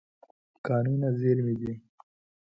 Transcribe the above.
کانونه زېرمه دي.